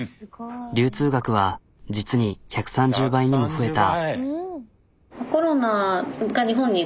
流通額は実に１３０倍にも増えた。